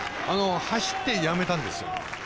走って、やめたんですよ。